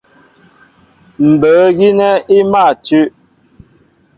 Mbə̌ gínɛ́ í mâ tʉ́.